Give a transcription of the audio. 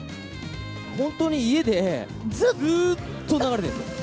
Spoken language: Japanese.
本当に家で、ずっと流れてるんですよ。